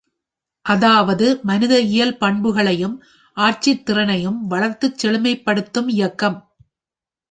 அதாவது மனித இயல் பண்புகளையும் ஆட்சித் திறனையும் வளர்த்துச் செழுமைப்படுத்தும் இயக்கம.